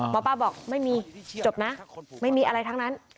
ป้าบอกไม่มีจบนะไม่มีอะไรทั้งนั้น